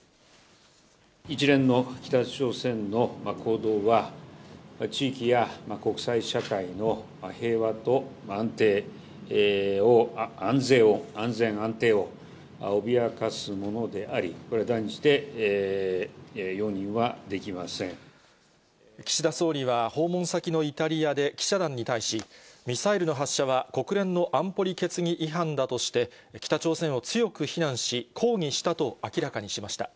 一連の北朝鮮の行動は、地域や国際社会の平和と安全安定を脅かすものであり、これは断じ岸田総理は、訪問先のイタリアで記者団に対し、ミサイルの発射は国連の安保理決議違反だとして、北朝鮮を強く非難し、抗議したと明らかにしました。